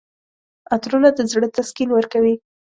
عطرونه د زړه تسکین ورکوي.